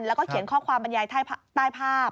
แล้วก็เขียนข้อความบรรยายใต้ภาพ